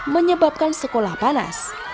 menyebabkan sekolah panas